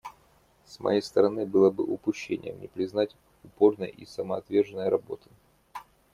С моей стороны было бы упущением не признать упорной и самоотверженной работы.